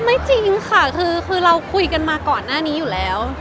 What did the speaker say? ไม่จริงค่ะคือเราคุยกันมาก่อนหน้านี้อยู่แล้ว